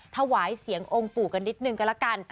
ถวายเสียงองค์ปู่กันนิดนึงก็ละกัน